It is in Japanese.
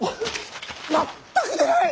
全く出ない。